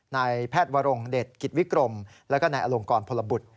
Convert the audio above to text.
นายแพทย์วรงเดชกิจวิกรมแล้วก็นายอลงกรพลบุตร